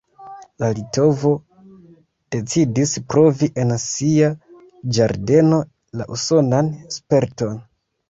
La litovo decidis provi en sia ĝardeno la usonan sperton.